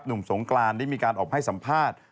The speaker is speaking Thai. สงกรานได้มีการออกให้สัมภาษณ์